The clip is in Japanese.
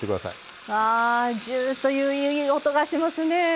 あぁジューッといういい音がしますね。